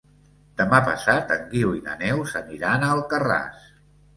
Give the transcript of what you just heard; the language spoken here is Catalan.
Demà passat en Guiu i na Neus aniran a Alcarràs.